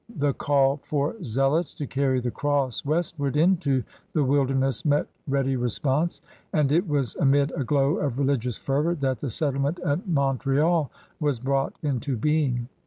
The call for zealots to carry the cross westward into the wilderness met ready response, and it was amid a glow of religious fervor that the settlement at Montreal was brought into being.